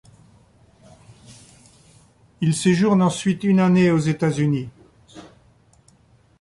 Il séjourne ensuite une année aux États-Unis.